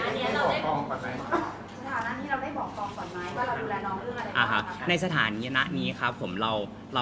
ก็คะเจ็บตะนะที่ไม่ได้บอกเพราะอาจอาจจะต้องการปกปิดหรือเปล่า